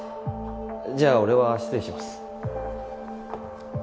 じゃあ俺は失礼します。